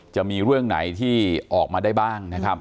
จะมีเรื่องไหนที่ออกมาได้บ้างนะครับ